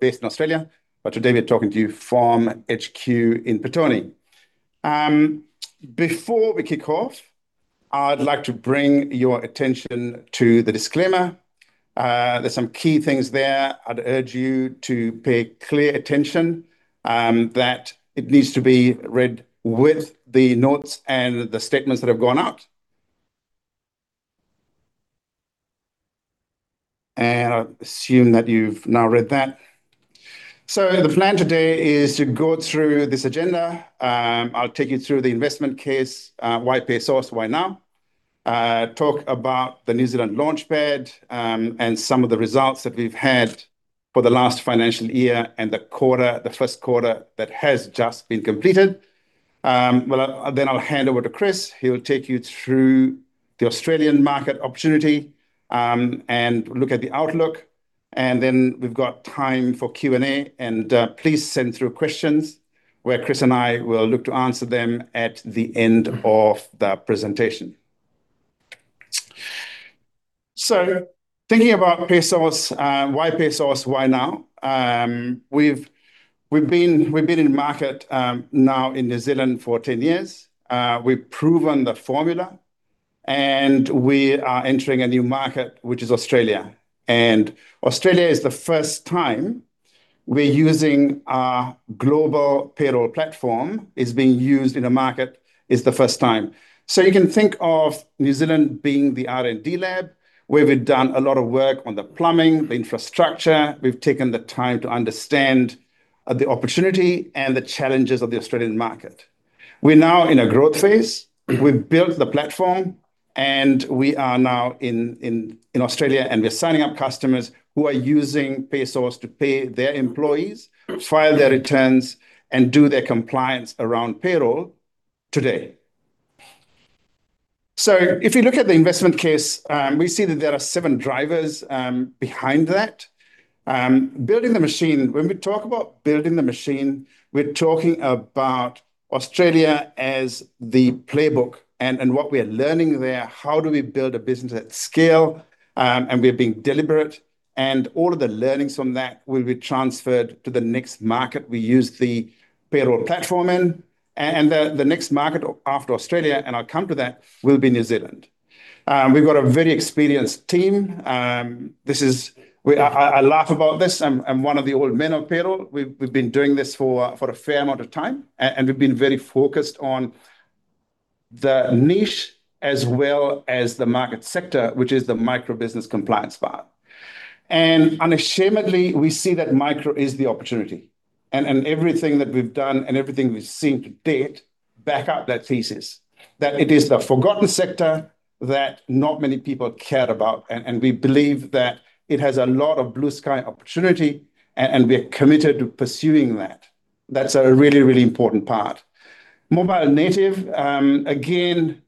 Based in Australia. Today we're talking to you from HQ in Petone. Before we kick off, I'd like to bring your attention to the disclaimer. There's some key things there I'd urge you to pay clear attention, that it needs to be read with the notes and the statements that have gone out. I assume that you've now read that. The plan today is to go through this agenda. I'll take you through the investment case, why PaySauce, why now? Talk about the New Zealand launchpad, and some of the results that we've had for the last financial year and the first quarter that has just been completed. I'll hand over to Chris. He'll take you through the Australian market opportunity, and look at the outlook. We've got time for Q&A, and please send through questions where Chris and I will look to answer them at the end of the presentation. Thinking about PaySauce, why PaySauce, why now? We've been in market now in New Zealand for 10 years. We've proven the formula, and we are entering a new market, which is Australia. Australia is the first time we're using our Global Payroll Platform, it's being used in the market, it's the first time. You can think of New Zealand being the R&D lab, where we've done a lot of work on the plumbing, the infrastructure. We've taken the time to understand the opportunity and the challenges of the Australian market. We're now in a growth phase. We've built the platform, and we are now in Australia, and we are signing up customers who are using PaySauce to pay their employees, file their returns, and do their compliance around payroll today. If you look at the investment case, we see that there are seven drivers behind that. Building the machine. When we talk about building the machine, we are talking about Australia as the playbook and what we are learning there, how do we build a business at scale? We are being deliberate, and all of the learnings from that will be transferred to the next market we use the payroll platform in, and the next market after Australia, and I'll come to that, will be New Zealand. We've got a very experienced team. I laugh about this, I'm one of the old men of payroll. We've been doing this for a fair amount of time, and we've been very focused on the niche as well as the market sector, which is the micro-business compliance part. Unashamedly, we see that micro is the opportunity, and everything that we've done and everything we've seen to date back up that thesis. That it is the forgotten sector that not many people cared about, and we believe that it has a lot of blue sky opportunity, and we are committed to pursuing that. That's a really, really important part. Mobile native, again,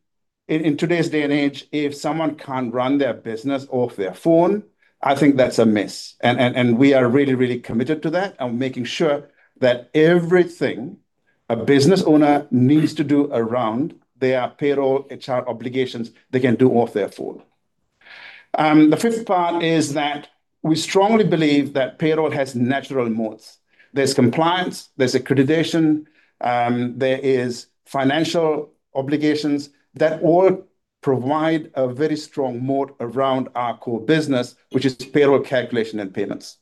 in today's day and age, if someone can't run their business off their phone, I think that's a miss. We are really, really committed to that and making sure that everything a business owner needs to do around their payroll HR obligations, they can do off their phone. The fifth part is that we strongly believe that payroll has natural moats. There's compliance, there's accreditation, there is financial obligations that all provide a very strong moat around our core business, which is payroll calculation and payments.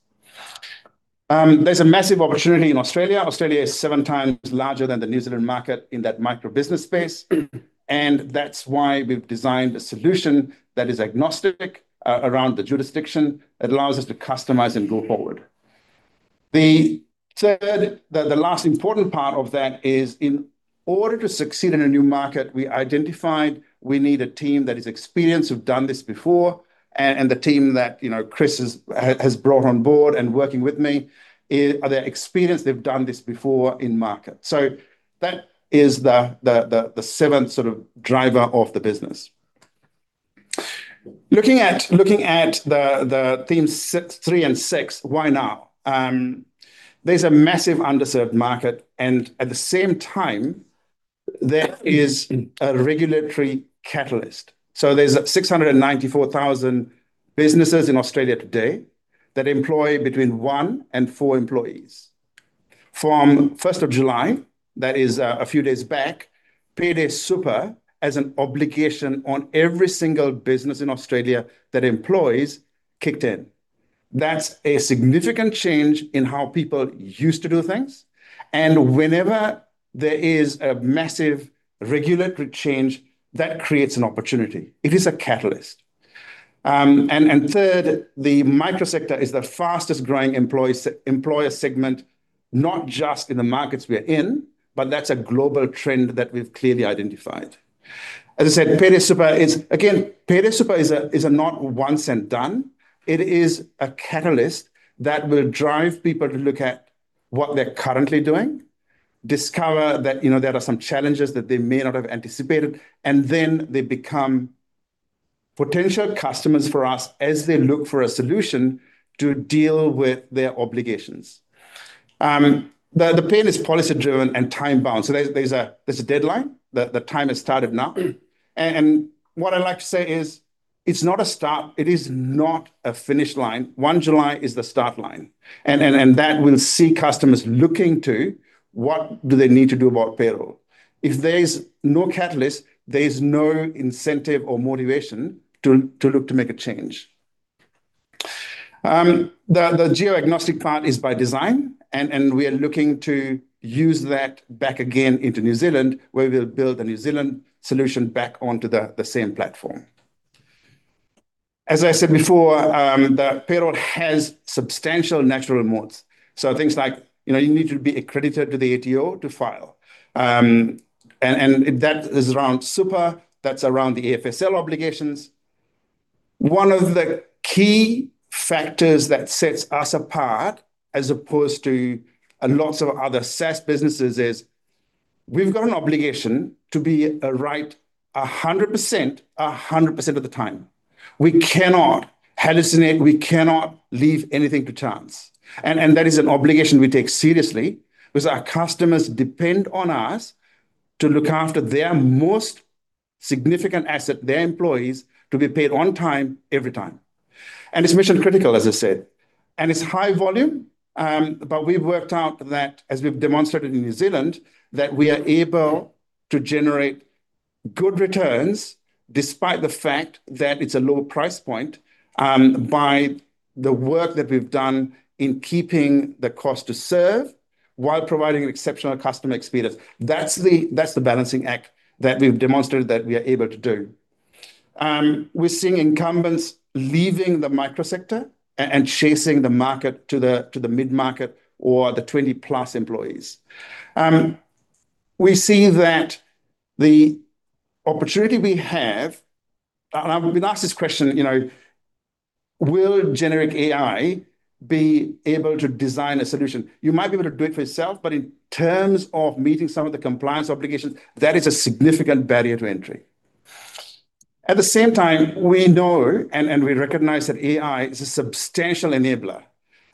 There's a massive opportunity in Australia. Australia is seven times larger than the New Zealand market in that micro-business space, and that's why we've designed a solution that is agnostic around the jurisdiction. It allows us to customize and go forward. The third, the last important part of that is in order to succeed in a new market, we identified we need a team that is experienced, who've done this before. The team that Chris has brought on board and working with me are they're experienced, they've done this before in market. That is the seventh sort of driver of the business. Looking at the themes three and six, why now? There's a massive underserved market, and at the same time, there is a regulatory catalyst. There's 694,000 businesses in Australia today that employ between one and four employees. From July 1st, that is a few days back, Payday Super as an obligation on every single business in Australia that employs kicked in. That's a significant change in how people used to do things, and whenever there is a massive regulatory change, that creates an opportunity. It is a catalyst. Third, the micro sector is the fastest growing employer segment, not just in the markets we are in, but that's a global trend that we've clearly identified. As I said, Payday Super is, again, Payday Super is a not once and done. It is a catalyst that will drive people to look at what they're currently doing, discover that there are some challenges that they may not have anticipated, and then they become potential customers for us as they look for a solution to deal with their obligations. The plan is policy driven and time bound. There's a deadline, the time has started now. What I'd like to say is, it's not a start, it is not a finish line. July 1 is the start line, and that will see customers looking to what do they need to do about payroll. If there's no catalyst, there's no incentive or motivation to look to make a change. The geo-agnostic part is by design, and we are looking to use that back again into New Zealand, where we'll build a New Zealand solution back onto the same platform. As I said before, the payroll has substantial natural moats. Things like, you need to be accredited to the ATO to file. That is around super, that's around the AFSL obligations. One of the key factors that sets us apart as opposed to lots of other SaaS businesses is we've got an obligation to be right 100%, 100% of the time. We cannot hallucinate, we cannot leave anything to chance. That is an obligation we take seriously because our customers depend on us to look after their most significant asset, their employees, to be paid on time, every time. It's mission-critical, as I said. It's high volume, but we've worked out that, as we've demonstrated in New Zealand, that we are able to generate good returns despite the fact that it's a lower price point, by the work that we've done in keeping the cost to serve while providing an exceptional customer experience. That's the balancing act that we've demonstrated that we are able to do. We're seeing incumbents leaving the micro sector and chasing the market to the mid-market or the 20+ employees. We see that the opportunity we have. I've been asked this question, will generic AI be able to design a solution? You might be able to do it for yourself, but in terms of meeting some of the compliance obligations, that is a significant barrier to entry. At the same time, we know and we recognize that AI is a substantial enabler,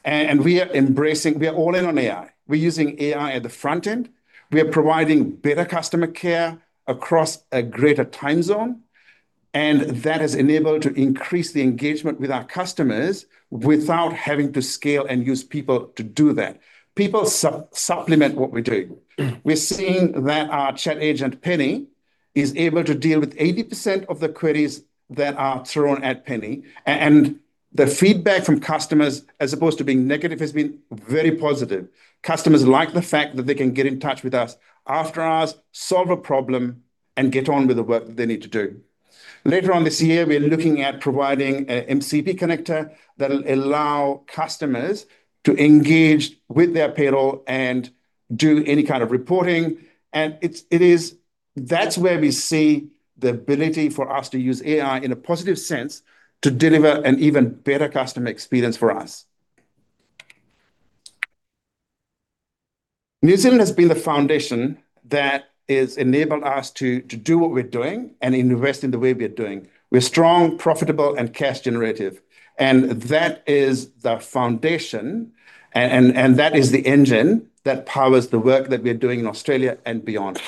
and we are all in on AI. We're using AI at the front end. We are providing better customer care across a greater time zone, and that has enabled to increase the engagement with our customers without having to scale and use people to do that. People supplement what we're doing. We're seeing that our chat agent, Penny, is able to deal with 80% of the queries that are thrown at Penny. The feedback from customers, as opposed to being negative, has been very positive. Customers like the fact that they can get in touch with us after hours, solve a problem, and get on with the work that they need to do. Later on this year, we're looking at providing a MCP connector that'll allow customers to engage with their payroll and do any kind of reporting. That's where we see the ability for us to use AI in a positive sense to deliver an even better customer experience for us. New Zealand has been the foundation that has enabled us to do what we're doing and invest in the way we're doing. We're strong, profitable, and cash generative, and that is the foundation, and that is the engine that powers the work that we're doing in Australia and beyond.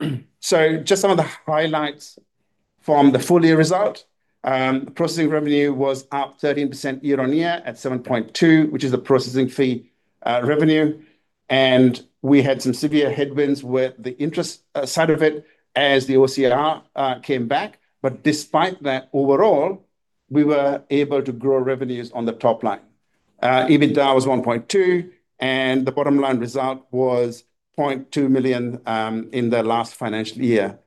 Just some of the highlights from the full year result. The processing revenue was up 13% year-on-year at 7.2, which is the processing fee revenue. We had some severe headwinds with the interest side of it as the OCR came back. Despite that, overall, we were able to grow revenues on the top line. EBITDA was 1.2, and the bottom line result was 0.2 million in the last financial year.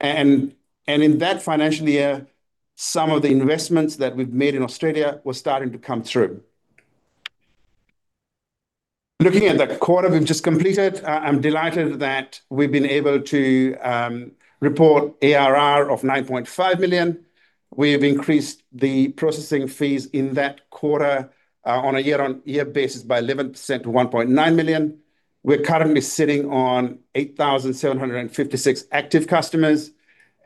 In that financial year, some of the investments that we've made in Australia were starting to come through. Looking at the quarter we've just completed, I'm delighted that we've been able to report ARR of 9.5 million. We've increased the processing fees in that quarter on a year-on-year basis by 11% to 1.9 million. We're currently sitting on 8,756 active customers,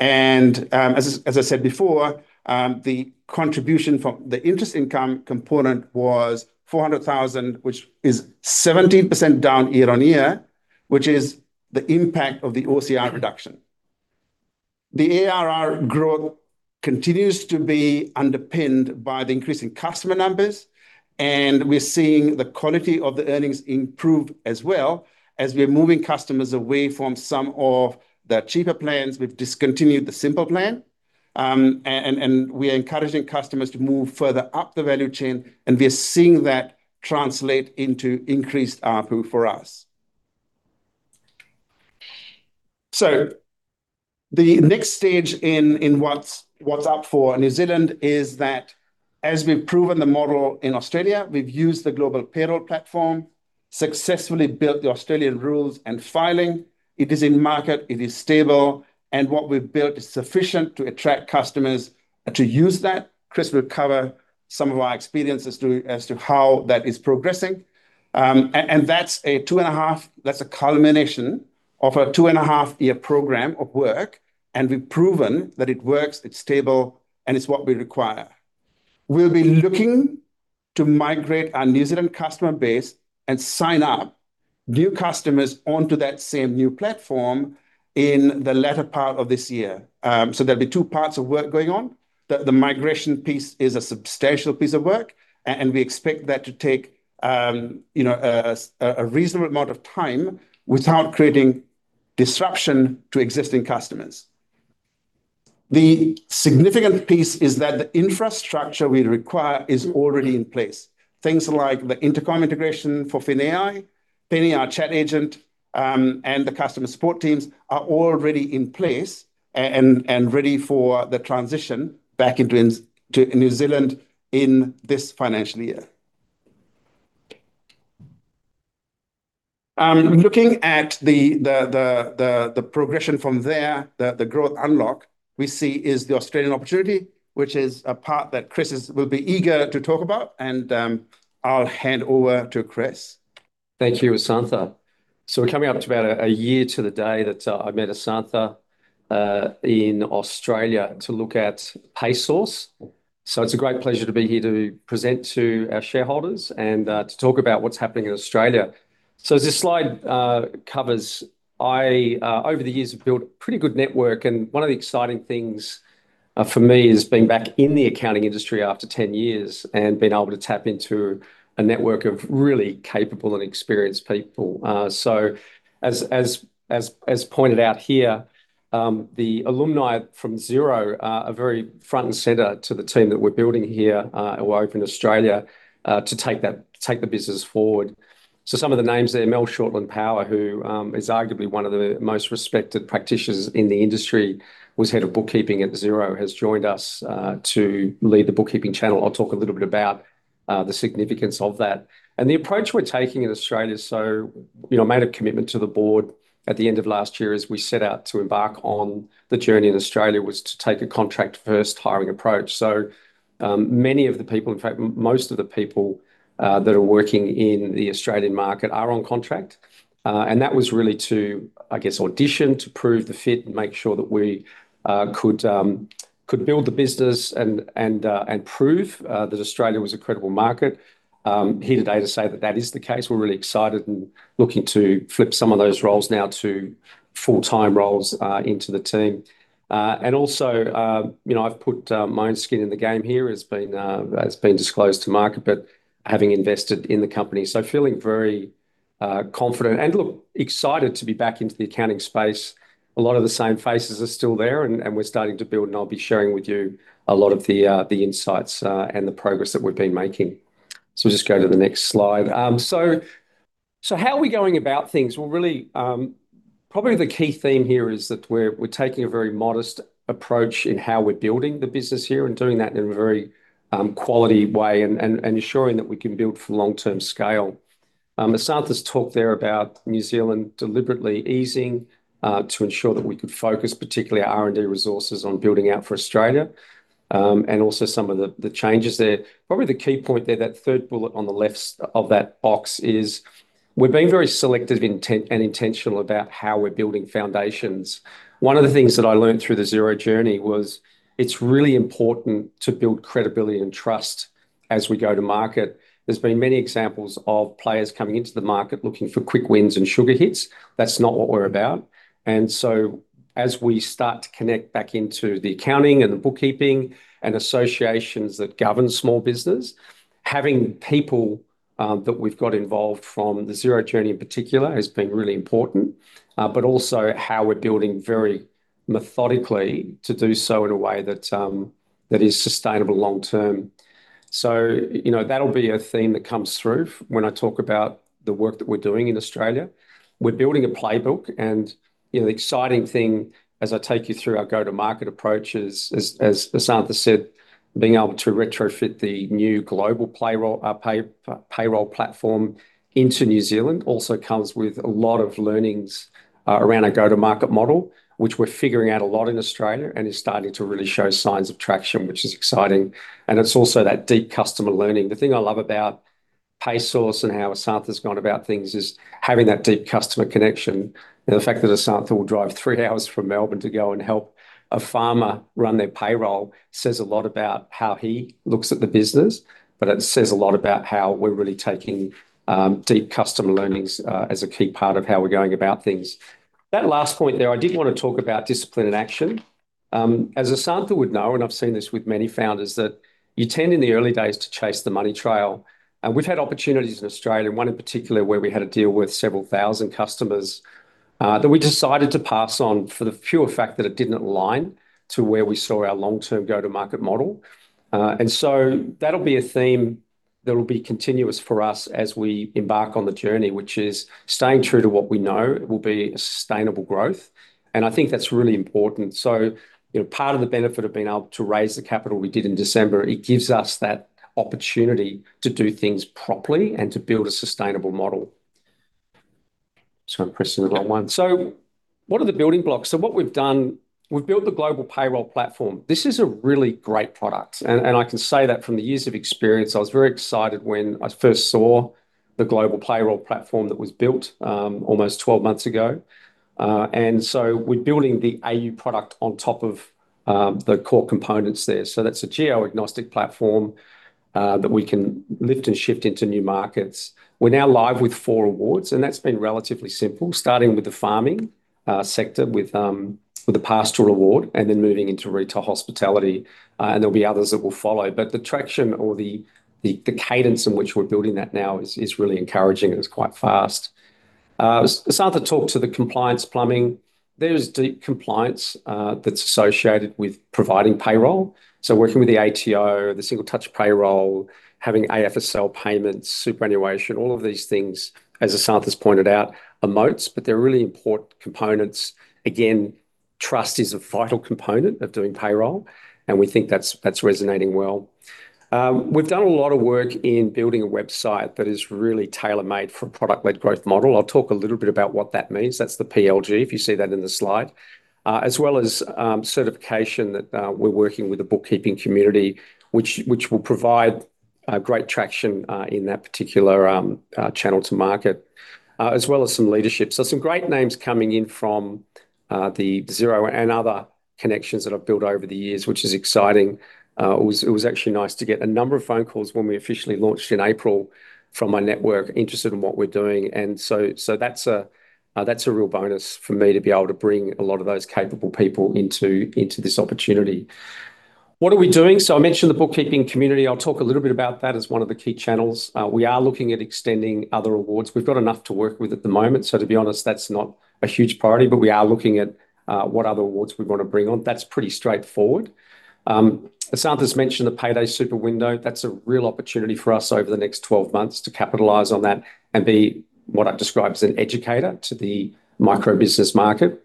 and as I said before, the contribution from the interest income component was 400,000, which is 17% down year-on-year, which is the impact of the OCR reduction. The ARR growth continues to be underpinned by the increase in customer numbers, we're seeing the quality of the earnings improve as well as we're moving customers away from some of the cheaper plans. We've discontinued the simple plan. We're encouraging customers to move further up the value chain, and we are seeing that translate into increased ARPU for us. The next stage in what's up for New Zealand is that as we've proven the model in Australia, we've used the Global Payroll Platform, successfully built the Australian rules and filing. It is in market, it is stable, and what we've built is sufficient to attract customers to use that. Chris will cover some of our experiences as to how that is progressing. That's a culmination of a two-and-a-half-year program of work, and we've proven that it works, it's stable, and it's what we require. We'll be looking to migrate our New Zealand customer base and sign up new customers onto that same new platform in the latter part of this year. There'll be two parts of work going on. The migration piece is a substantial piece of work, and we expect that to take a reasonable amount of time without creating disruption to existing customers. The significant piece is that the infrastructure we require is already in place. Things like the Intercom integration for Fin AI, Penny, our chat agent, and the customer support teams are already in place and ready for the transition back into New Zealand in this financial year. Looking at the progression from there, the growth unlock we see is the Australian opportunity, which is a part that Chris will be eager to talk about, and I'll hand over to Chris. Thank you, Asantha. We're coming up to about a year to the day that I met Asantha in Australia to look at PaySauce. It's a great pleasure to be here to present to our shareholders and to talk about what's happening in Australia. As this slide covers, I, over the years, have built a pretty good network, and one of the exciting things for me is being back in the accounting industry after 10 years and being able to tap into a network of really capable and experienced people. As pointed out here, the alumni from Xero are very front and center to the team that we're building here over in Australia to take the business forward. Some of the names there, Mel Shortland-Power, who is arguably one of the most respected practitioners in the industry, was head of bookkeeping at Xero, has joined us to lead the bookkeeping channel. I'll talk a little bit about the significance of that. The approach we're taking in Australia, I made a commitment to the board at the end of last year as we set out to embark on the journey in Australia, was to take a contract-first hiring approach. Many of the people, in fact, most of the people that are working in the Australian market are on contract. That was really to, I guess, audition, to prove the fit, and make sure that we could build the business and prove that Australia was a credible market. I'm here today to say that that is the case. We're really excited and looking to flip some of those roles now to full-time roles into the team. Also, I've put my own skin in the game here, as has been disclosed to market, but having invested in the company. Feeling very confident and look, excited to be back into the accounting space. A lot of the same faces are still there, and we're starting to build, and I'll be sharing with you a lot of the insights and the progress that we've been making. Just go to the next slide. How are we going about things? Well, really, probably the key theme here is that we're taking a very modest approach in how we're building the business here and doing that in a very quality way and ensuring that we can build for long-term scale. Asantha's talked there about New Zealand deliberately easing to ensure that we could focus particularly our R&D resources on building out for Australia, also some of the changes there. Probably the key point there, that third bullet on the left of that box is we're being very selective and intentional about how we're building foundations. One of the things that I learned through the Xero journey was it's really important to build credibility and trust as we go to market. There's been many examples of players coming into the market looking for quick wins and sugar hits. That's not what we're about. As we start to connect back into the accounting and the bookkeeping and associations that govern small business, having people that we've got involved from the Xero journey in particular has been really important, but also how we're building very methodically to do so in a way that is sustainable long-term. That'll be a theme that comes through when I talk about the work that we're doing in Australia. We're building a playbook, the exciting thing as I take you through our go-to-market approach is, as Asantha said, being able to retrofit the new Global Payroll Platform into New Zealand also comes with a lot of learnings around our go-to-market model, which we're figuring out a lot in Australia and is starting to really show signs of traction, which is exciting. It's also that deep customer learning. The thing I love about PaySauce and how Asantha's gone about things is having that deep customer connection, and the fact that Asantha will drive three hours from Melbourne to go and help a farmer run their payroll says a lot about how he looks at the business, but it says a lot about how we're really taking deep customer learnings as a key part of how we're going about things. That last point there, I did want to talk about discipline and action. As Asantha would know, and I've seen this with many founders, that you tend in the early days to chase the money trail. We've had opportunities in Australia, one in particular, where we had a deal worth several thousand customers, that we decided to pass on for the pure fact that it didn't align to where we saw our long-term go-to-market model. That'll be a theme that will be continuous for us as we embark on the journey, which is staying true to what we know will be a sustainable growth, and I think that's really important. Part of the benefit of being able to raise the capital we did in December, it gives us that opportunity to do things properly and to build a sustainable model. Sorry, I'm pressing the wrong one. What are the building blocks? What we've done, we've built the Global Payroll Platform. This is a really great product, and I can say that from the years of experience. I was very excited when I first saw the Global Payroll Platform that was built almost 12 months ago. We're building the AU product on top of the core components there. That's a geo-agnostic platform that we can lift and shift into new markets. We're now live with four awards, and that's been relatively simple, starting with the farming sector, with the Pastoral Award, and then moving into retail, hospitality. There'll be others that will follow. The traction or the cadence in which we're building that now is really encouraging and is quite fast. As Asantha talked to the compliance plumbing, there's deep compliance that's associated with providing payroll. Working with the ATO, the Single Touch Payroll, having AFSL payments, superannuation, all of these things, as Asantha's pointed out, are moats, but they're really important components. Again, trust is a vital component of doing payroll, and we think that's resonating well. We've done a lot of work in building a website that is really tailor-made for a product-led growth model. I'll talk a little bit about what that means. That's the PLG, if you see that in the slide. As well as certification that we're working with the bookkeeping community, which will provide great traction in that particular channel to market, as well as some leadership. Some great names coming in from the Xero and other connections that I've built over the years, which is exciting. It was actually nice to get a number of phone calls when we officially launched in April from my network, interested in what we're doing. That's a real bonus for me to be able to bring a lot of those capable people into this opportunity. What are we doing? I mentioned the bookkeeping community. I'll talk a little bit about that as one of the key channels. We are looking at extending other awards. We've got enough to work with at the moment, to be honest, that's not a huge priority. We are looking at what other awards we want to bring on. That's pretty straightforward. Asantha's mentioned the Payday Super window. That's a real opportunity for us over the next 12 months to capitalize on that and be what I've described as an educator to the micro-business market,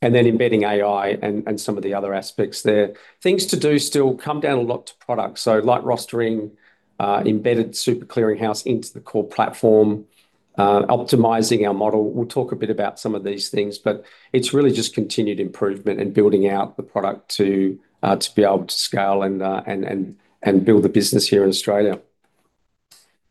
and then embedding AI and some of the other aspects there. Things to do still come down a lot to product. Light rostering, embedded super clearing house into the core platform, optimizing our model. We'll talk a bit about some of these things, but it's really just continued improvement and building out the product to be able to scale and build the business here in Australia.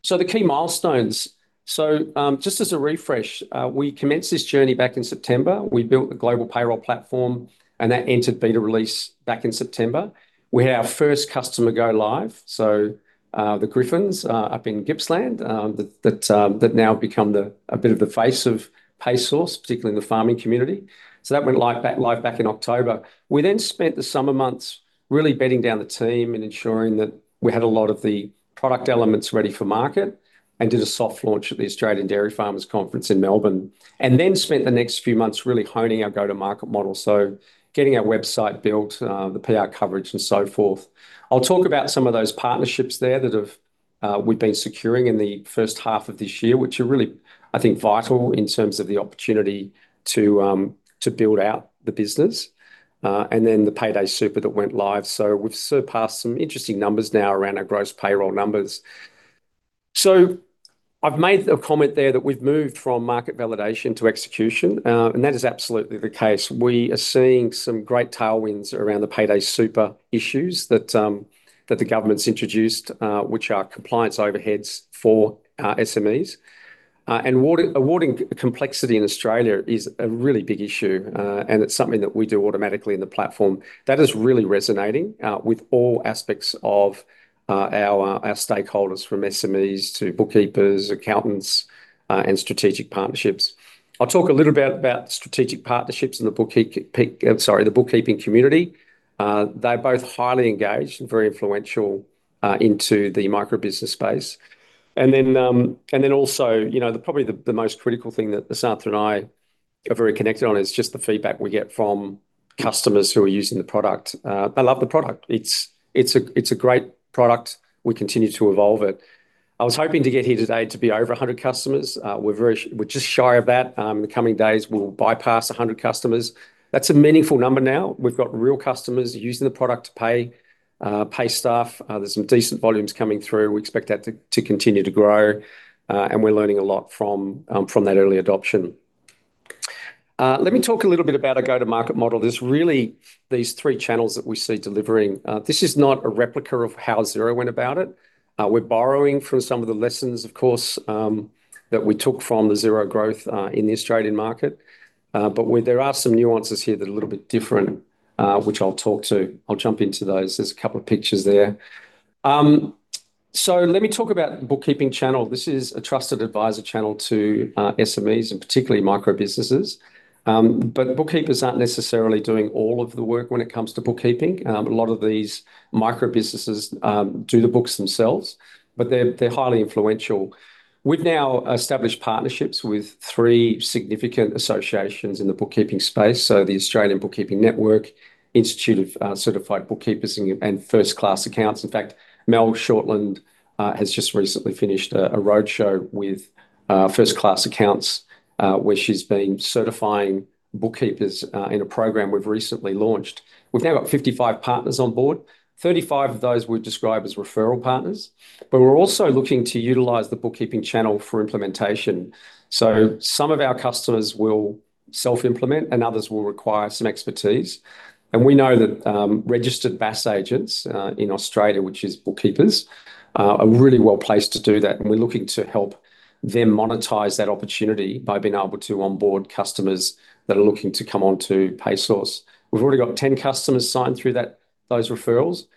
The key milestones. Just as a refresh, we commenced this journey back in September. We built a Global Payroll Platform, that entered beta release back in September. We had our first customer go live, the Griffins up in Gippsland, that now become a bit of the face of PaySauce, particularly in the farming community. That went live back in October. We spent the summer months really bedding down the team and ensuring that we had a lot of the product elements ready for market and did a soft launch at the Australian Dairy Farmers Conference in Melbourne. We spent the next few months really honing our go-to market model. Getting our website built, the PR coverage and so forth. I'll talk about some of those partnerships there that we've been securing in the first half of this year, which are really, I think, vital in terms of the opportunity to build out the business, then the Payday Super that went live. We've surpassed some interesting numbers now around our gross payroll numbers. I've made a comment there that we've moved from market validation to execution, and that is absolutely the case. We are seeing some great tailwinds around the Payday Super issues that the government's introduced, which are compliance overheads for SMEs. Awarding complexity in Australia is a really big issue, and it's something that we do automatically in the platform. That is really resonating with all aspects of our stakeholders, from SMEs to bookkeepers, accountants, and strategic partnerships. I'll talk a little bit about strategic partnerships and the bookkeeping community. They're both highly engaged and very influential into the micro-business space. Also, probably the most critical thing that Asantha and I are very connected on is just the feedback we get from customers who are using the product. They love the product. It's a great product. We continue to evolve it. I was hoping to get here today to be over 100 customers. We're just shy of that. In the coming days, we'll bypass 100 customers. That's a meaningful number now. We've got real customers using the product to pay staff. There's some decent volumes coming through. We expect that to continue to grow, and we're learning a lot from that early adoption. Let me talk a little bit about our go-to market model. There's really these three channels that we see delivering. This is not a replica of how Xero went about it. We're borrowing from some of the lessons, of course, that we took from the Xero growth, in the Australian market. There are some nuances here that are a little bit different, which I'll talk to. I'll jump into those. There's a couple of pictures there. Let me talk about bookkeeping channel. This is a trusted advisor channel to SMEs and particularly micro-businesses. Bookkeepers aren't necessarily doing all of the work when it comes to bookkeeping. A lot of these micro-businesses do the books themselves, but they're highly influential. We've now established partnerships with three significant associations in the bookkeeping space, the Australian Bookkeepers Network, Institute of Certified Bookkeepers, and First Class Accounts. In fact, Mel Shortland has just recently finished a roadshow with First Class Accounts, where she's been certifying bookkeepers in a program we've recently launched. We've now got 55 partners on board. 35 of those we've described as referral partners. We're also looking to utilize the bookkeeping channel for implementation. Some of our customers will self-implement, and others will require some expertise. We know that registered BAS agents in Australia, which is bookkeepers, are really well-placed to do that, and we're looking to help them monetize that opportunity by being able to onboard customers that are looking to come onto PaySauce. We've already got 10 customers signed through those referrals.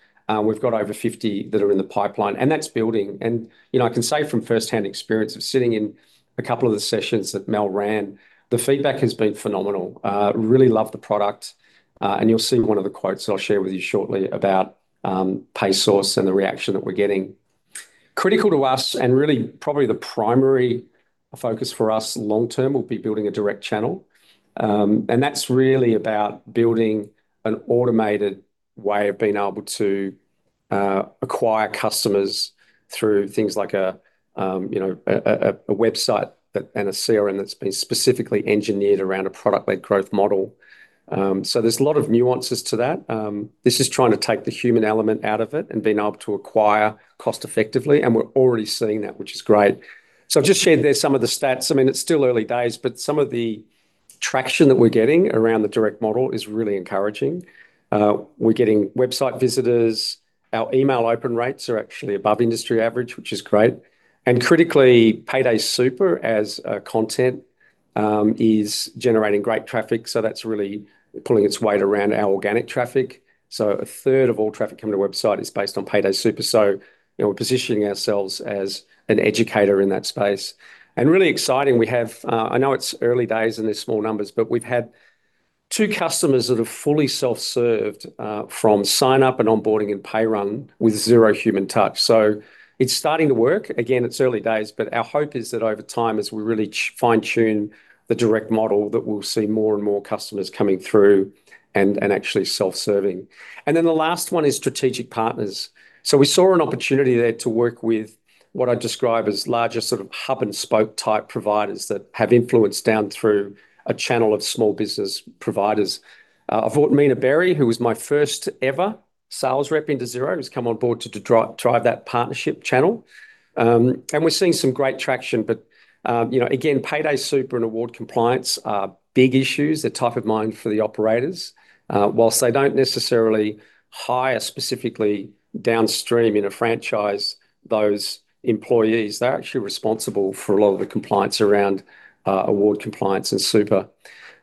We've got over 50 that are in the pipeline, and that's building. I can say from firsthand experience of sitting in a couple of the sessions that Mel ran, the feedback has been phenomenal. Really love the product. You'll see one of the quotes that I'll share with you shortly about PaySauce and the reaction that we're getting. Critical to us and really probably the primary focus for us long-term will be building a direct channel, and that's really about building an automated way of being able to acquire customers through things like a website and a CRM that's been specifically engineered around a product-led growth model. There's a lot of nuances to that. This is trying to take the human element out of it and being able to acquire cost-effectively, and we're already seeing that, which is great. I've just shared there some of the stats. It's still early days, but some of the traction that we're getting around the direct model is really encouraging. We're getting website visitors. Our email open rates are actually above industry average, which is great. Critically, Payday Super as a content is generating great traffic, so that's really pulling its weight around our organic traffic. A third of all traffic coming to the website is based on Payday Super, so we're positioning ourselves as an educator in that space. Really exciting, I know it's early days and there's small numbers, but we've had two customers that have fully self-served, from sign-up and onboarding and pay run with zero human touch. It's starting to work. Again, it's early days, but our hope is that over time, as we really fine-tune the direct model, that we'll see more and more customers coming through and actually self-serving. The last one is strategic partners. We saw an opportunity there to work with what I'd describe as larger sort of hub and spoke type providers that have influence down through a channel of small business providers. I've got Meena Berry, who was my first ever sales rep into Xero, who's come on board to drive that partnership channel. We're seeing some great traction. Again, Payday Super and award compliance are big issues. They're top of mind for the operators. Whilst they don't necessarily hire specifically downstream in a franchise, those employees, they're actually responsible for a lot of the compliance around award compliance and super.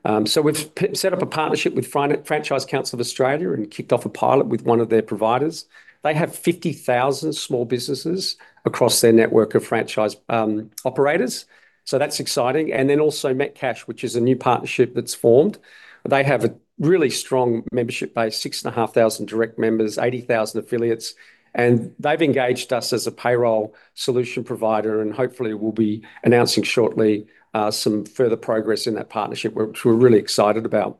We've set up a partnership with Franchise Council of Australia and kicked off a pilot with one of their providers. They have 50,000 small businesses across their network of franchise operators, so that's exciting. Also Metcash, which is a new partnership that's formed. They have a really strong membership base, 6,500 direct members, 80,000 affiliates, and they've engaged us as a payroll solution provider, and hopefully, we'll be announcing shortly, some further progress in that partnership, which we're really excited about.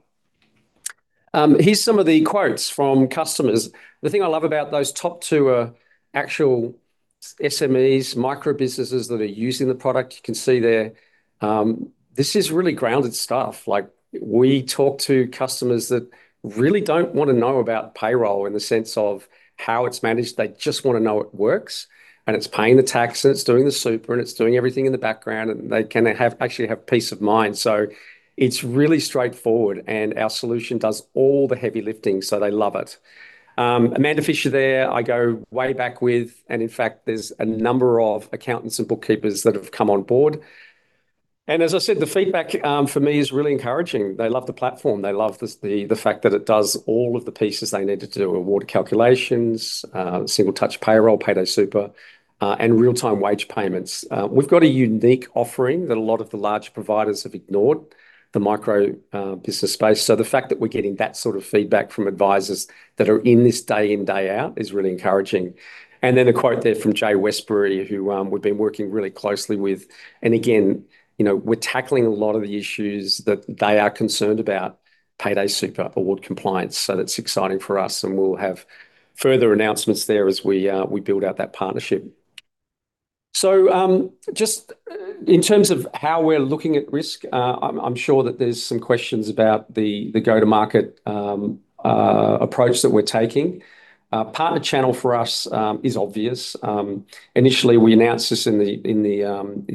Here's some of the quotes from customers. The thing I love about those top two are actual SMEs, micro-businesses that are using the product. You can see there. This is really grounded stuff. We talk to customers that really don't want to know about payroll in the sense of how it's managed. They just want to know it works, and it's paying the tax, and it's doing the super, and it's doing everything in the background, and they can actually have peace of mind. It's really straightforward, and our solution does all the heavy lifting, so they love it. Amanda Fisher, there, I go way back with, and in fact, there's a number of accountants and bookkeepers that have come on board. As I said, the feedback, for me, is really encouraging. They love the platform. They love the fact that it does all of the pieces they need to do award calculations, Single Touch Payroll, Payday Super, and real-time wage payments. We've got a unique offering that a lot of the large providers have ignored, the micro business space. The fact that we're getting that sort of feedback from advisors that are in this day in, day out is really encouraging. The quote there from Jay Westbury, who we've been working really closely with, and again, we're tackling a lot of the issues that they are concerned about, Payday Super, award compliance. That's exciting for us, and we'll have further announcements there as we build out that partnership. Just in terms of how we're looking at risk, I'm sure that there's some questions about the go-to-market approach that we're taking. Partner channel for us is obvious. Initially, we announced this in the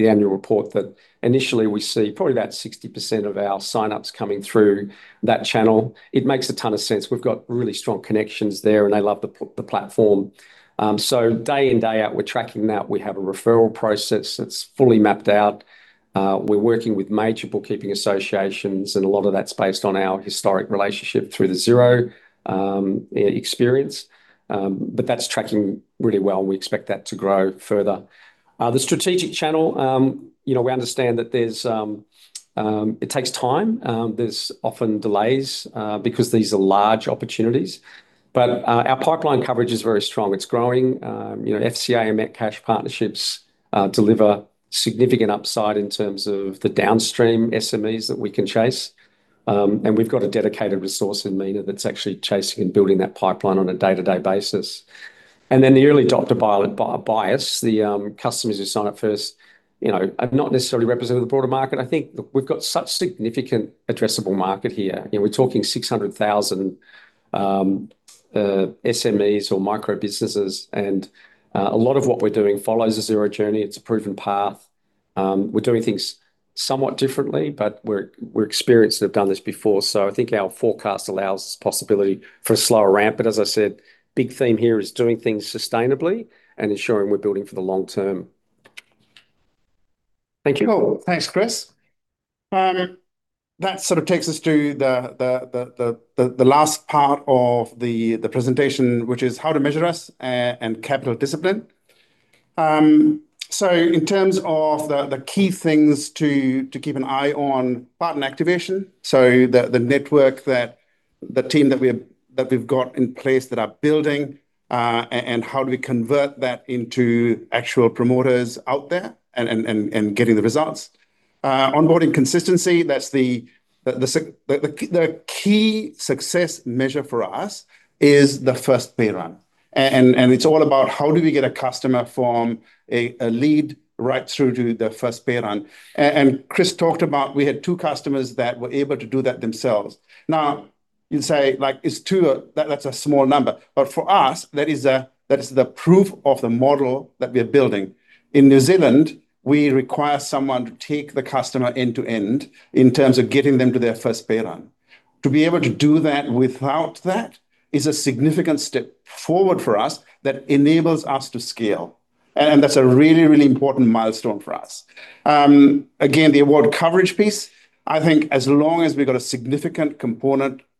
annual report that initially we see probably about 60% of our sign-ups coming through that channel. It makes a ton of sense. We've got really strong connections there, and they love the platform. Day in, day out, we're tracking that. We have a referral process that's fully mapped out. We're working with major bookkeeping associations, and a lot of that's based on our historic relationship through the Xero experience. That's tracking really well. We expect that to grow further. The strategic channel, we understand that it takes time. There's often delays because these are large opportunities. Our pipeline coverage is very strong. It's growing. FCA and Metcash partnerships deliver significant upside in terms of the downstream SMEs that we can chase. We've got a dedicated resource in Meena that's actually chasing and building that pipeline on a day-to-day basis. The early adopter buyers, the customers who sign up first, are not necessarily representative of the broader market. I think we've got such significant addressable market here. We're talking 600,000 SMEs or micro businesses, and a lot of what we're doing follows the Xero journey. It's a proven path. We're doing things somewhat differently, but we're experienced and have done this before. I think our forecast allows possibility for a slower ramp. As I said, big theme here is doing things sustainably and ensuring we're building for the long term. Thank you. Cool. Thanks, Chris. That takes us to the last part of the presentation, which is how to measure us and capital discipline. In terms of the key things to keep an eye on, partner activation. The network, the team that we've got in place that are building, and how do we convert that into actual promoters out there, and getting the results. Onboarding consistency, that's the key success measure for us is the first pay run. It's all about how do we get a customer from a lead right through to the first pay run. Chris talked about, we had two customers that were able to do that themselves. Now, you'd say, that's a small number. For us, that is the proof of the model that we're building. In New Zealand, we require someone to take the customer end to end in terms of getting them to their first pay run. To be able to do that without that is a significant step forward for us that enables us to scale. That's a really, really important milestone for us. Again, the award coverage piece, I think as long as we've got a significant component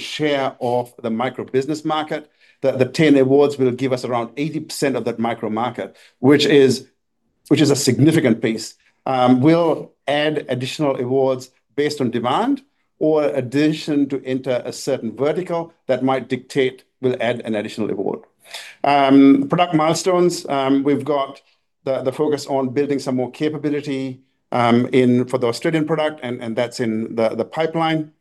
share of the micro-business market, the 10 awards will give us around 80% of that micro market, which is a significant piece. We'll add additional awards based on demand or a decision to enter a certain vertical that might dictate we'll add an additional award. Product milestones, we've got the focus on building some more capability, for the Australian product, and that's in the pipeline.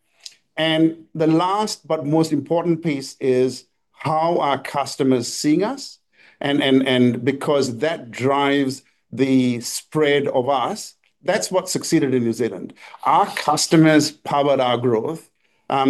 The last but most important piece is how are customers seeing us? Because that drives the spread of us, that's what succeeded in New Zealand. Our customers powered our growth,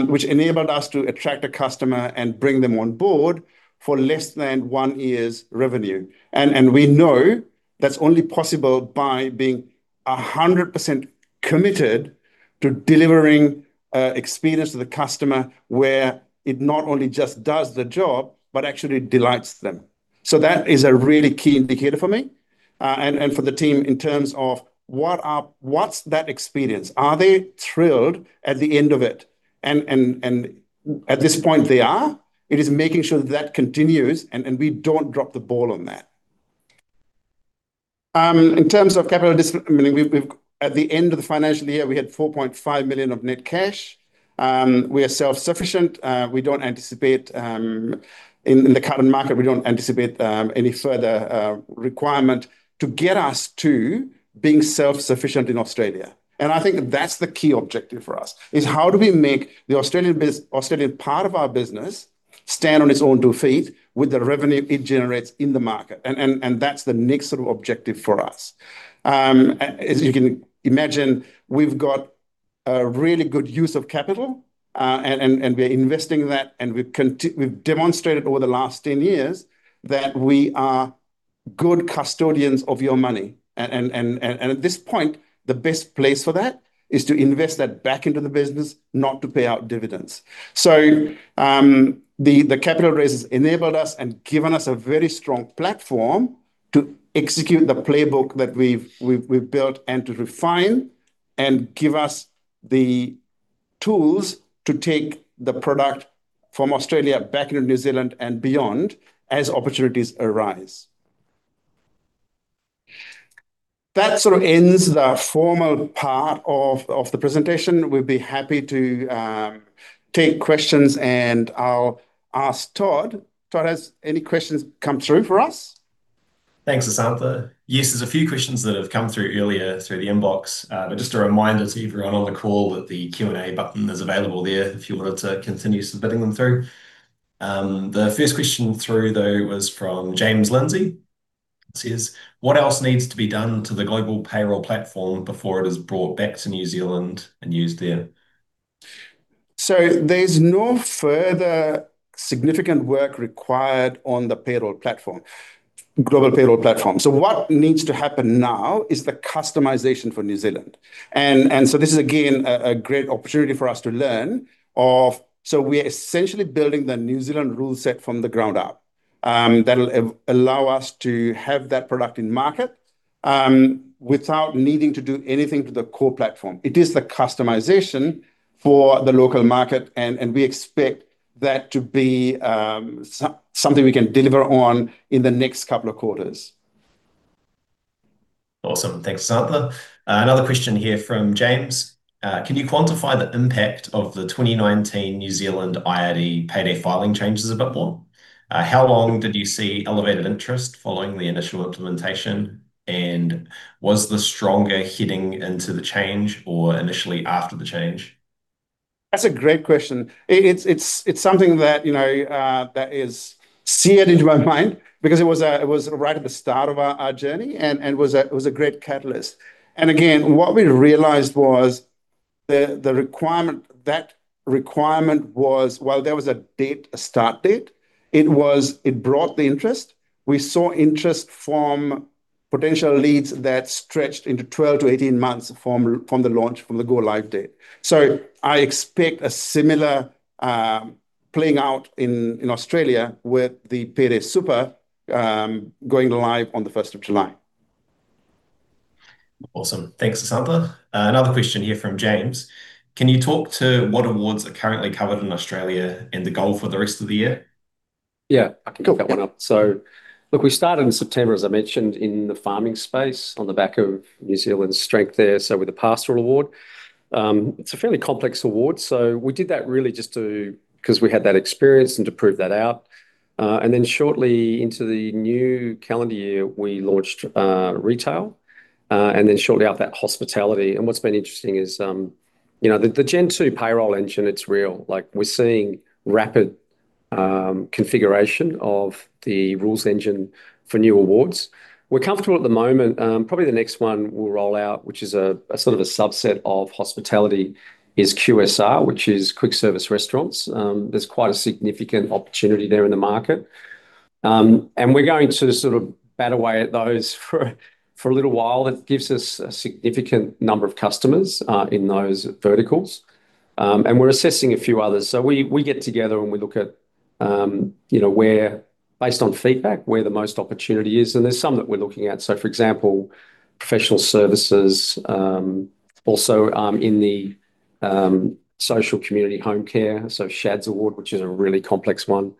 which enabled us to attract a customer and bring them on board for less than one year's revenue. We know that's only possible by being 100% committed to delivering experience to the customer where it not only just does the job, but actually delights them. That is a really key indicator for me, and for the team in terms of what's that experience? Are they thrilled at the end of it? At this point, they are. It is making sure that continues, and we don't drop the ball on that. In terms of capital discipline, at the end of the financial year, we had 4.5 million of net cash. We are self-sufficient. In the current market, we don't anticipate any further requirement to get us to being self-sufficient in Australia. I think that's the key objective for us is how do we make the Australian part of our business stand on its own two feet with the revenue it generates in the market? That's the next objective for us. As you can imagine, we've got a really good use of capital, and we're investing that, and we've demonstrated over the last 10 years that we are good custodians of your money. At this point, the best place for that is to invest that back into the business, not to pay out dividends. The capital raise has enabled us and given us a very strong platform to execute the playbook that we've built and to refine and give us the tools to take the product from Australia back into New Zealand and beyond as opportunities arise. That ends the formal part of the presentation. We'd be happy to take questions, and I'll ask Todd. Todd, has any questions come through for us? Thanks, Asantha. Yes, there's a few questions that have come through earlier through the inbox. Just a reminder to everyone on the call that the Q&A button is available there if you wanted to continue submitting them through. The first question through, though, was from James Lindsay. It says, what else needs to be done to the Global Payroll Platform before it is brought back to New Zealand and used there? There's no further significant work required on the Global Payroll Platform. What needs to happen now is the customization for New Zealand. This is again, a great opportunity for us to learn of. We are essentially building the New Zealand rule set from the ground up. That'll allow us to have that product in market, without needing to do anything to the core platform. It is the customization for the local market, and we expect that to be something we can deliver on in the next couple of quarters. Awesome. Thanks, Asantha. Another question here from James. Can you quantify the impact of the 2019 New Zealand IRD payday filing changes a bit more? How long did you see elevated interest following the initial implementation, and was the stronger heading into the change or initially after the change? That's a great question. It's something that is seared into my mind because it was right at the start of our journey and it was a great catalyst. Again, what we realized was that requirement was, while there was a start date, it brought the interest. We saw interest from potential leads that stretched into 12-18 months from the launch, from the go-live date. I expect a similar playing out in Australia with the Payday Super going live on the July 1st. Awesome. Thanks, Asantha. Another question here from James. Can you talk to what awards are currently covered in Australia and the goal for the rest of the year? Yeah, I can pick that one up. Look, we started in September, as I mentioned, in the farming space on the back of New Zealand's strength there, so with the Pastoral Award. It's a fairly complex award. We did that really just because we had that experience and to prove that out. Shortly into the new calendar year, we launched retail, and then shortly after that, hospitality. What's been interesting is, the Gen 2.0 payroll engine, it's real. We're seeing rapid configuration of the rules engine for new awards. We're comfortable at the moment. Probably the next one we'll roll out, which is a sort of a subset of hospitality, is QSR, which is quick service restaurants. There's quite a significant opportunity there in the market. We're going to sort of bat away at those for a little while. It gives us a significant number of customers in those verticals, and we're assessing a few others. We get together, and we look at, based on feedback, where the most opportunity is, and there's some that we're looking at. For example, professional services, also in the social community home care, the SCHADS Award, which is a really complex one.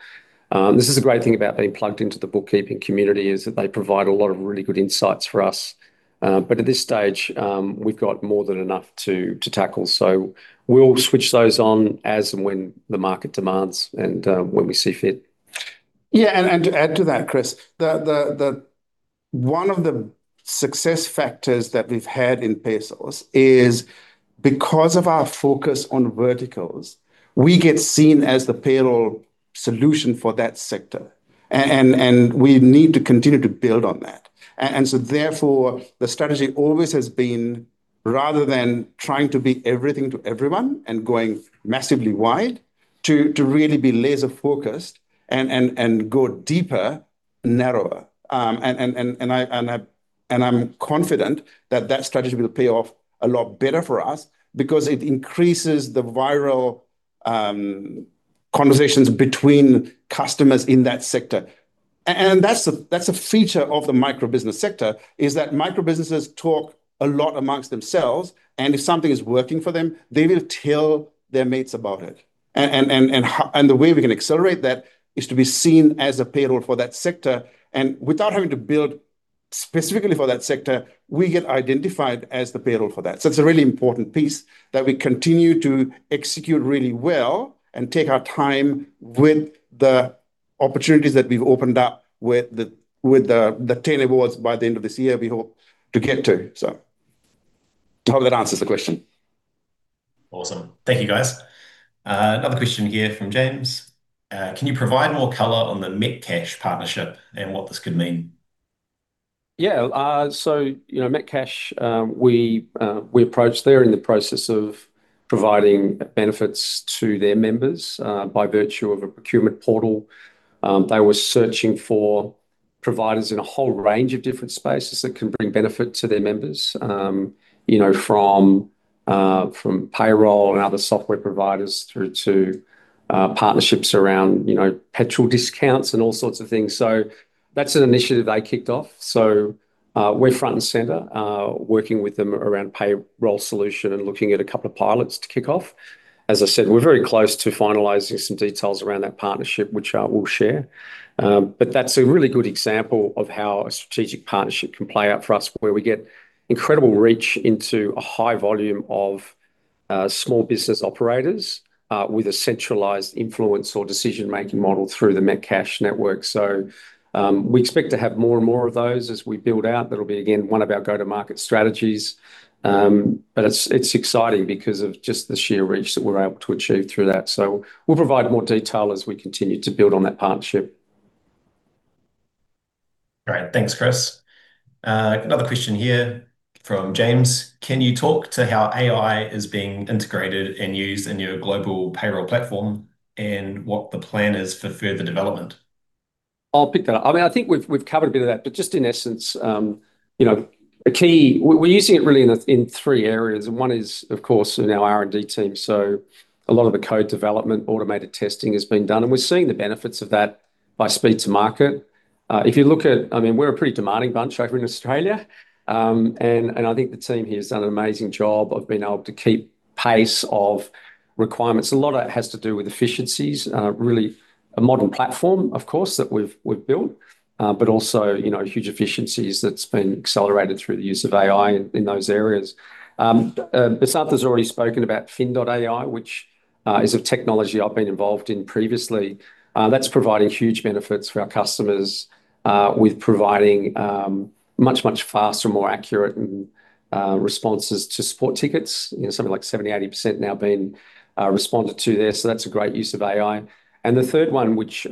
This is the great thing about being plugged into the bookkeeping community, is that they provide a lot of really good insights for us. At this stage, we've got more than enough to tackle. We'll switch those on as and when the market demands and when we see fit. To add to that, Chris, one of the success factors that we've had in PaySauce is because of our focus on verticals, we get seen as the payroll solution for that sector, and we need to continue to build on that. Therefore, the strategy always has been, rather than trying to be everything to everyone and going massively wide, to really be laser-focused and go deeper, narrower. I'm confident that that strategy will pay off a lot better for us because it increases the viral conversations between customers in that sector. That's a feature of the micro-business sector, is that micro-businesses talk a lot amongst themselves, and if something is working for them, they will tell their mates about it. The way we can accelerate that is to be seen as a payroll for that sector. Without having to build specifically for that sector, we get identified as the payroll for that. It's a really important piece that we continue to execute really well and take our time with the opportunities that we've opened up with the 10 awards by the end of this year we hope to get to. I hope that answers the question. Awesome. Thank you, guys. Another question here from James. Can you provide more color on the Metcash partnership and what this could mean? Yeah. Metcash, we approached. They're in the process of providing benefits to their members, by virtue of a procurement portal. They were searching for providers in a whole range of different spaces that can bring benefit to their members, from payroll and other software providers through to partnerships around petrol discounts and all sorts of things. That's an initiative they kicked off. We're front and center, working with them around payroll solution and looking at a couple of pilots to kick off. As I said, we're very close to finalizing some details around that partnership, which I will share. That's a really good example of how a strategic partnership can play out for us, where we get incredible reach into a high volume of small business operators, with a centralized influence or decision-making model through the Metcash network. We expect to have more and more of those as we build out. That'll be, again, one of our go-to-market strategies. It's exciting because of just the sheer reach that we're able to achieve through that. We'll provide more detail as we continue to build on that partnership. Great. Thanks, Chris. Another question here from James. Can you talk to how AI is being integrated and used in your Global Payroll Platform and what the plan is for further development? I'll pick that up. I think we've covered a bit of that, in essence, we're using it really in three areas, and one is, of course, in our R&D team. A lot of the code development, automated testing has been done, and we're seeing the benefits of that by speed to market. We're a pretty demanding bunch over in Australia, and I think the team here has done an amazing job of being able to keep pace of requirements. A lot of it has to do with efficiencies. Really a modern platform, of course, that we've built. Also, huge efficiencies that's been accelerated through the use of AI in those areas. Asantha's already spoken about Fin AI, which is a technology I've been involved in previously. That's providing huge benefits for our customers with providing much, much faster and more accurate responses to support tickets. Something like 70%-80% now being responded to there, so that's a great use of AI. The third one, which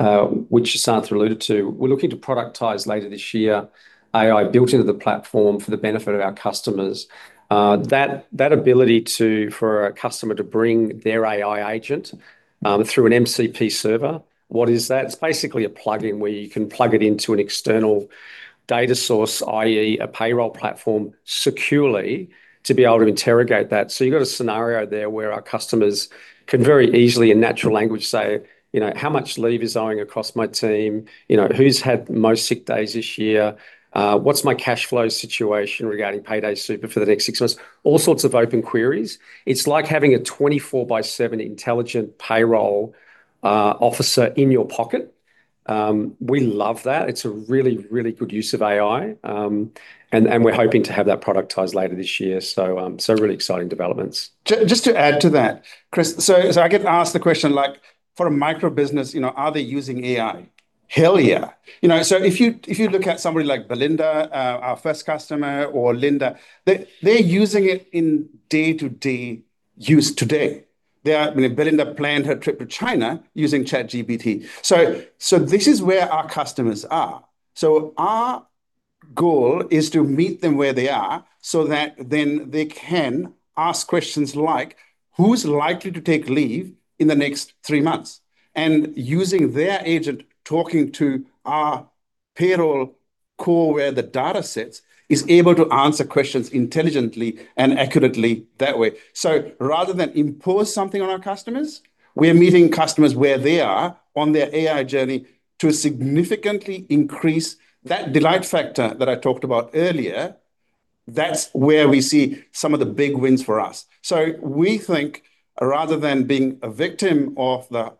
Asantha alluded to, we're looking to productize later this year, AI built into the platform for the benefit of our customers. That ability for a customer to bring their AI agent through an MCP server. What is that? It's basically a plug-in where you can plug it into an external data source, i.e., a payroll platform, securely to be able to interrogate that. You've got a scenario there where our customers can very easily, in natural language say, how much leave is owing across my team? Who's had the most sick days this year? What's my cash flow situation regarding Payday Super for the next six months? All sorts of open queries. It's like having a 24/7 intelligent payroll officer in your pocket. We love that. It's a really good use of AI. We're hoping to have that productized later this year, so really exciting developments. Just to add to that, Chris. I get asked the question, for a micro business, are they using AI? Hell yeah. If you look at somebody like Belinda, our first customer, or Linda, they're using it in day-to-day use today. I mean, Belinda planned her trip to China using ChatGPT. This is where our customers are. Our goal is to meet them where they are, so that then they can ask questions like, who's likely to take leave in the next three months? Using their agent, talking to our payroll core where the data sits, is able to answer questions intelligently and accurately that way. Rather than impose something on our customers, we're meeting customers where they are on their AI journey to significantly increase that delight factor that I talked about earlier. That's where we see some of the big wins for us. We think rather than being a victim of the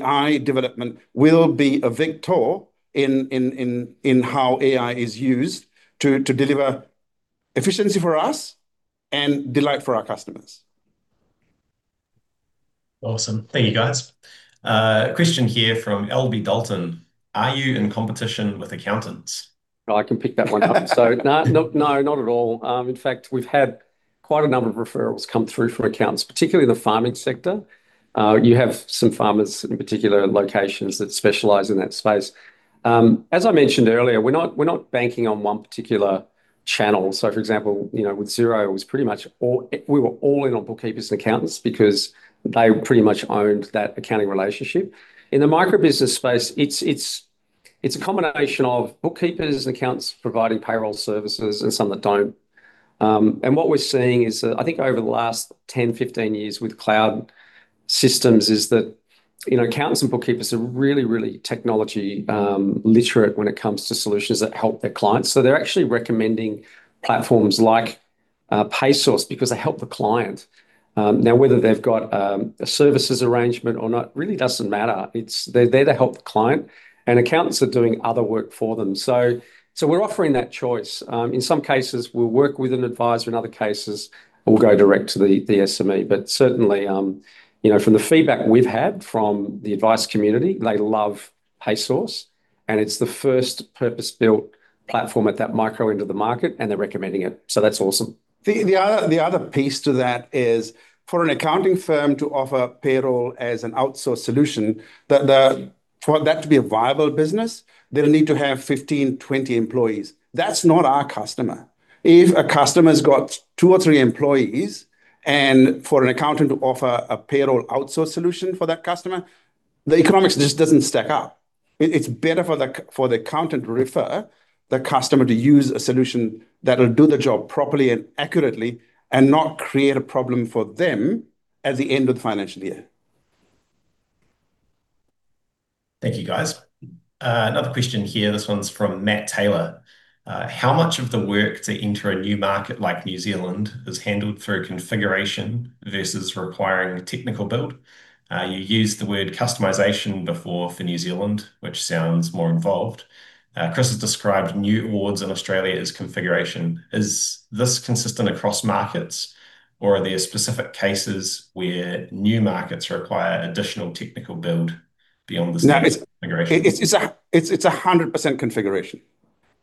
AI development, we'll be a victor in how AI is used to deliver efficiency for us and delight for our customers. Awesome. Thank you, guys. A question here from L.B. Dalton, are you in competition with accountants? I can pick that one up. No. Not at all. In fact, we've had quite a number of referrals come through from accountants, particularly in the farming sector. You have some farmers in particular locations that specialize in that space. As I mentioned earlier, we're not banking on one particular channel. For example, with Xero it was pretty much all, we were all in on bookkeepers and accountants because they pretty much owned that accounting relationship. In the micro-business space, it's a combination of bookkeepers and accountants providing payroll services and some that don't. What we're seeing is that, I think over the last 10, 15 years with cloud systems, is that accountants and bookkeepers are really, really technology literate when it comes to solutions that help their clients. They're actually recommending platforms like PaySauce because they help the client. Whether they've got a services arrangement or not really doesn't matter. They're there to help the client, and accountants are doing other work for them. We're offering that choice. In some cases, we'll work with an advisor. In other cases, we'll go direct to the SME. Certainly, from the feedback we've had from the advice community, they love PaySauce, it's the first purpose-built platform at that micro end of the market, and they're recommending it. That's awesome. The other piece to that is for an accounting firm to offer payroll as an outsourced solution, for that to be a viable business, they'll need to have 15, 20 employees. That's not our customer. If a customer's got two or three employees, for an accountant to offer a payroll outsourced solution for that customer, the economics just doesn't stack up. It's better for the accountant to refer the customer to use a solution that'll do the job properly and accurately and not create a problem for them at the end of the financial year. Thank you, guys. Another question here, this one's from Matt Taylor. How much of the work to enter a new market like New Zealand is handled through configuration versus requiring technical build? You used the word customization before for New Zealand, which sounds more involved. Chris has described new awards in Australia as configuration. Is this consistent across markets, or are there specific cases where new markets require additional technical build beyond the standard configuration? No, it's 100% configuration.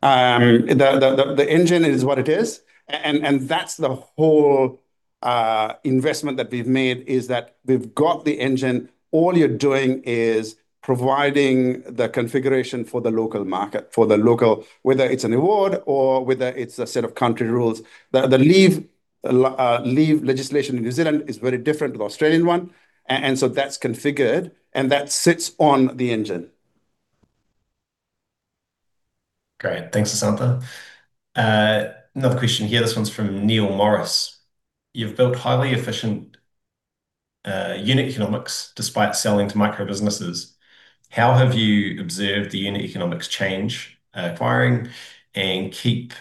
The engine is what it is. That's the whole investment that we've made, is that we've got the engine. All you're doing is providing the configuration for the local market. Whether it's an award or whether it's a set of country rules. The leave legislation in New Zealand is very different to the Australian one. That's configured, and that sits on the engine. Great. Thanks, Asantha. Another question here, this one's from Neil Morris. You've built highly efficient unit economics despite selling to micro businesses. How have you observed the unit economics change acquiring and keeping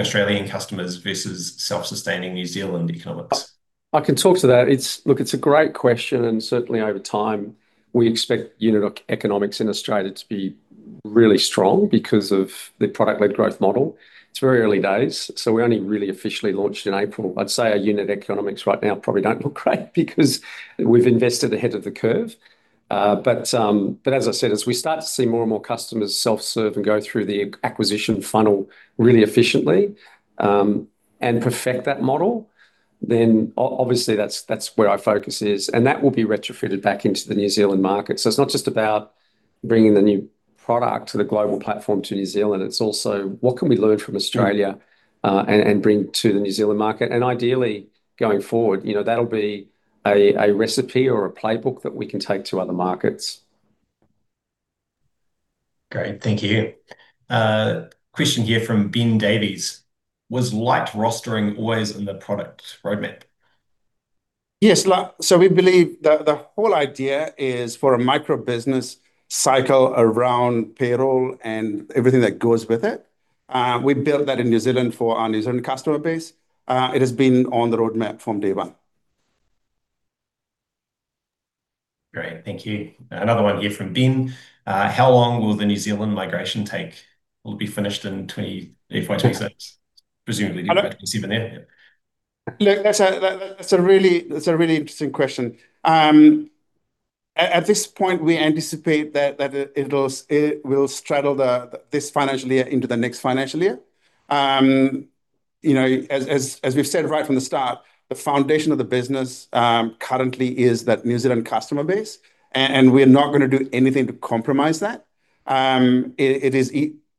Australian customers versus self-sustaining New Zealand economics? I can talk to that. Look, it's a great question. Certainly over time, we expect unit economics in Australia to be really strong because of the product-led growth model. It's very early days. We only really officially launched in April. I'd say our unit economics right now probably don't look great because we've invested ahead of the curve. As I said, as we start to see more and more customers self-serve and go through the acquisition funnel really efficiently and perfect that model, then obviously that's where our focus is, and that will be retrofitted back into the New Zealand market. It's not just about bringing the new product to the global platform to New Zealand, it's also what can we learn from Australia, and bring to the New Zealand market? Ideally, going forward, that'll be a recipe or a playbook that we can take to other markets. Great. Thank you. A question here from Ben Davies. Was light rostering always in the product roadmap? Yes. We believe the whole idea is for a microbusiness cycle around payroll and everything that goes with it. We built that in New Zealand for our New Zealand customer base. It has been on the roadmap from day one. Great. Thank you. Another one here from Ben. How long will the New Zealand migration take? Will it be finished in FY 2026, FY 2027. Look, that's a really interesting question. At this point, we anticipate that it will straddle this financial year into the next financial year. As we've said right from the start, the foundation of the business currently is that New Zealand customer base, and we're not going to do anything to compromise that.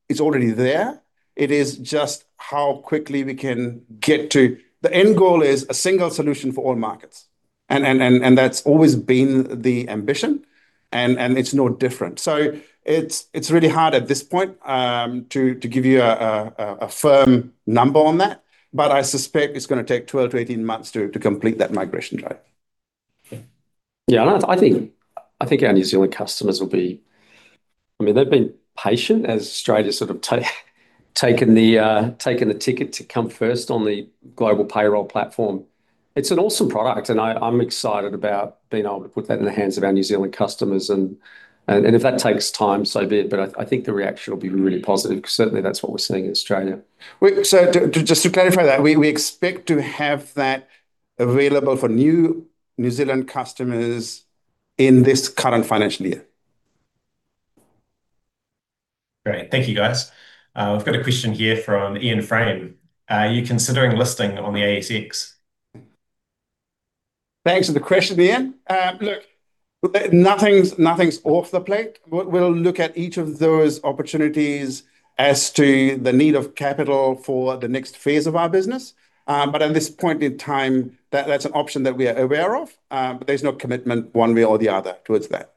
It's already there. It is just how quickly we can get to the end goal is a single solution for all markets, and that's always been the ambition, and it's no different. It's really hard at this point, to give you a firm number on that, but I suspect it's going to take 12-18 months to complete that migration drive. Okay. I think our New Zealand customers will be. They've been patient as Australia sort of taken the ticket to come first on the Global Payroll Platform. It's an awesome product, and I'm excited about being able to put that in the hands of our New Zealand customers, and if that takes time, so be it. I think the reaction will be really positive, because certainly that's what we're seeing in Australia. Just to clarify that, we expect to have that available for new New Zealand customers in this current financial year. Great. Thank you, guys. We've got a question here from Ian Frame. Are you considering listing on the ASX? Thanks for the question, Ian. Look, nothing's off the plate. We'll look at each of those opportunities as to the need of capital for the next phase of our business. At this point in time, that's an option that we are aware of, but there's no commitment one way or the other towards that.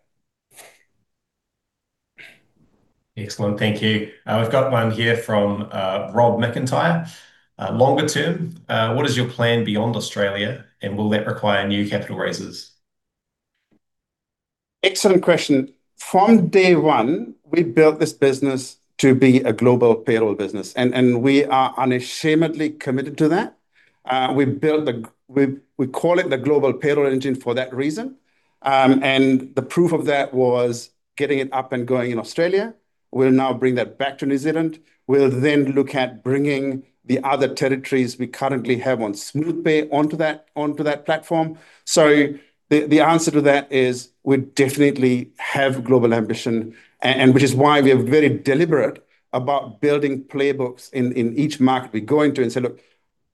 Excellent. Thank you. We've got one here from Rob McIntyre. Longer term, what is your plan beyond Australia, and will that require new capital raises? Excellent question. From day one, we built this business to be a global payroll business. We are unashamedly committed to that. We call it the global payroll engine for that reason. The proof of that was getting it up and going in Australia. We'll now bring that back to New Zealand. We'll then look at bringing the other territories we currently have on SmoothPay onto that platform. The answer to that is we definitely have global ambition, which is why we are very deliberate about building playbooks in each market we go into and say, look,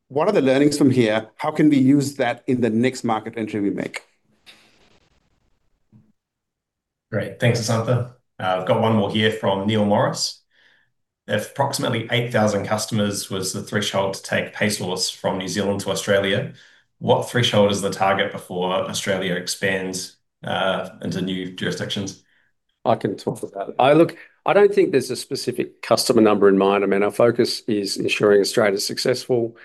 what are the learnings from here? How can we use that in the next market entry we make? Great. Thanks, Asantha. I've got one more here from Neil Morris. If approximately 8,000 customers was the threshold to take PaySauce from New Zealand to Australia, what threshold is the target before Australia expands into new jurisdictions? I can talk about it. Look, I don't think there's a specific customer number in mind. Our focus is ensuring Australia's successful.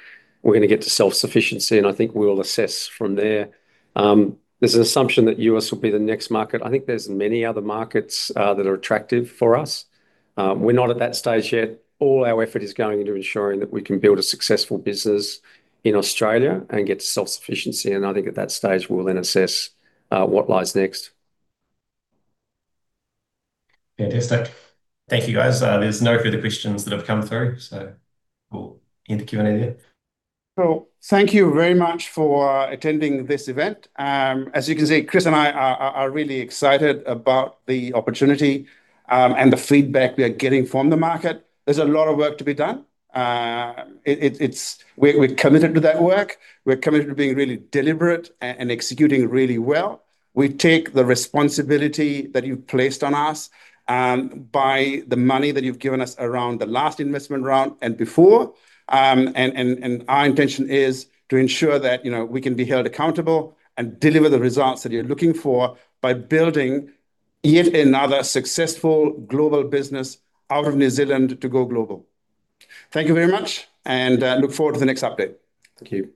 We're going to get to self-sufficiency. I think we'll assess from there. There's an assumption that U.S. will be the next market. I think there's many other markets that are attractive for us. We're not at that stage yet. All our effort is going into ensuring that we can build a successful business in Australia and get to self-sufficiency. I think at that stage, we'll then assess what lies next. Fantastic. Thank you, guys. There is no further questions that have come through, so we will end the Q&A there. Thank you very much for attending this event. As you can see, Chris and I are really excited about the opportunity, and the feedback we are getting from the market. There is a lot of work to be done. We are committed to that work. We are committed to being really deliberate and executing really well. We take the responsibility that you have placed on us, by the money that you have given us around the last investment round and before, and our intention is to ensure that we can be held accountable and deliver the results that you are looking for by building yet another successful global business out of New Zealand to go global. Thank you very much, and look forward to the next update. Thank you.